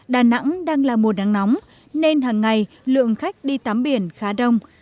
đà nẵng đang là mùa nắng nóng nên hằng ngày lượng khách đi tám biển khá đông